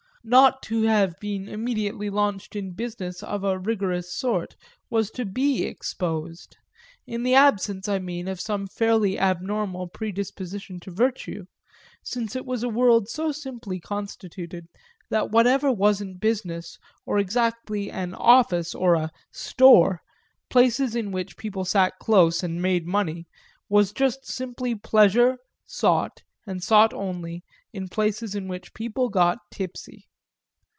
Not to have been immediately launched in business of a rigorous sort was to be exposed in the absence I mean of some fairly abnormal predisposition to virtue; since it was a world so simply constituted that whatever wasn't business, or exactly an office or a "store," places in which people sat close and made money, was just simply pleasure, sought, and sought only, in places in which people got tipsy.